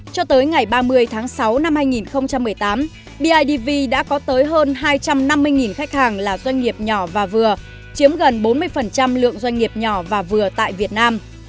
cho tới ngày ba mươi tháng sáu năm hai nghìn một mươi tám bidv đã có tới hơn hai trăm năm mươi khách hàng là doanh nghiệp nhỏ và vừa chiếm gần bốn mươi lượng doanh nghiệp nhỏ và vừa tại việt nam